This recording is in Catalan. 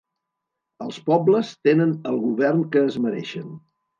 Els pobles tenen el govern que es mereixen.